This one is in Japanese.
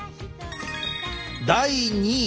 第２位。